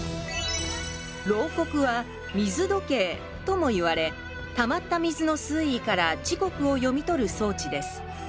漏刻は水時計ともいわれたまった水の水位から時刻を読み取る装置です。